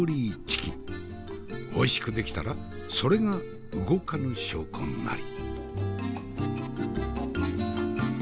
おいしく出来たらそれが動かぬ証拠なり。